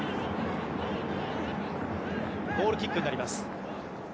ゴールキックになります。